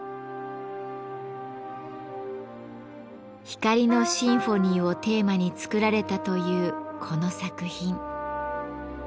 「光のシンフォニー」をテーマに作られたというこの作品。